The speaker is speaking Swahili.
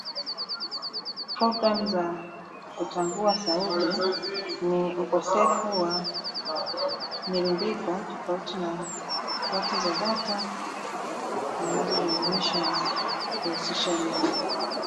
programu za kutambua sauti ni ukosefu wa milimbiko tofauti za data zinazojumuisha na kuhusisha lugha